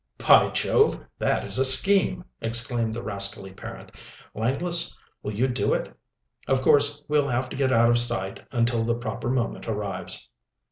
"By Jove, that is a scheme!" exclaimed the rascally parent. "Langless, will you do it? Of course, we'll have to get out of sight until the proper moment arrives."